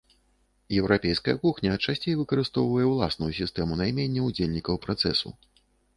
Еўрапейская кухня часцей выкарыстоўвае ўласную сістэму наймення удзельнікаў працэсу.